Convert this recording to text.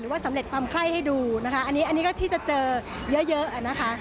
หรือว่าสำเร็จความคล่ายให้ดูอันนี้ก็ที่จะเจอเยอะ